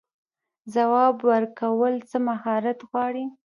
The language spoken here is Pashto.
ځواب ورکول څه مهارت غواړي؟